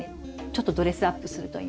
ちょっとドレスアップするといいますか。